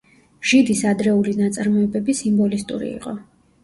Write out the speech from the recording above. ჟიდის ადრეული ნაწარმოებები სიმბოლისტური იყო.